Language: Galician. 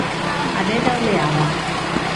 A nena ouleaba.